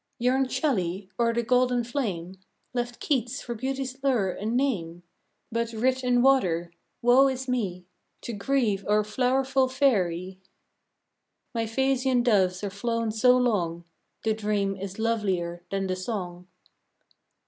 Yearned Shelley o'er the golden flame? Left Keats for beauty's lure, a name But "writ in water"? Woe is me! To grieve o'er flowerful faëry. My Phasian doves are flown so long The dream is lovelier than the song!